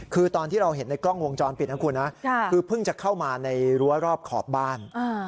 คือตอนที่เราเห็นในกล้องวงจรปิดนะคุณนะคือเพิ่งจะเข้ามาในรั้วรอบขอบบ้าน